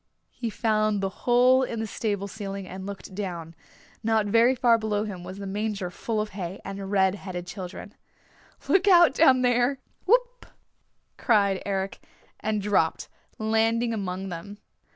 He found the hole in the stable ceiling and looked down. Not very far below him was the manger full of hay and red headed children. "Look out down there! Whoop!" cried Eric, and dropped, landing among them.